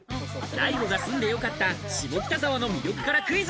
ＤＡＩＧＯが住んで良かった下北沢の魅力からクイズ。